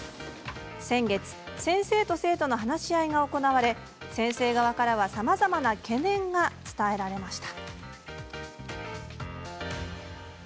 先月、先生と生徒の話し合いが行われ先生側からはさまざまな懸念が伝えられました。